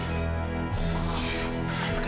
aida tidak ada tanggung jawab